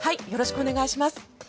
よろしくお願いします。